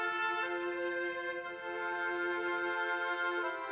oh ini dong